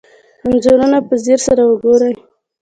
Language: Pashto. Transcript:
انځورونه په ځیر سره وګورئ.